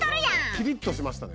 キリッとしましたね。